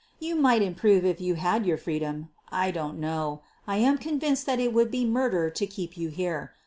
You might improve if you had your freedom; I don't know. I am convinced that it would be murder to keep you here.